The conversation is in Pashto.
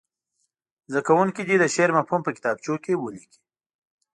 زده کوونکي دې د شعر مفهوم په کتابچو کې ولیکي.